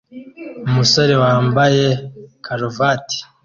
Umusore wambaye karuvati